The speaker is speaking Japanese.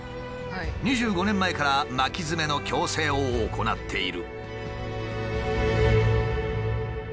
２５年前から巻きヅメの矯正を行っている。